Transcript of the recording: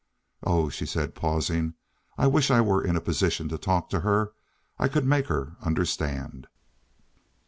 Oh," she said, pausing, "I wish I were in a position to talk to her. I could make her understand."